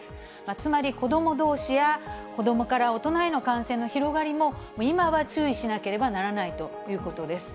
つまり、子どもどうしや、子どもから大人への感染の広がりも、今は注意しなければならないということです。